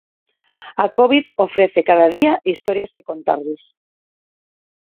A Covid ofrece cada día historias que contarlles.